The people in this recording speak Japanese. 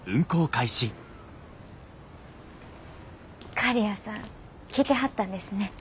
刈谷さん来てはったんですね。